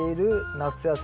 夏野菜。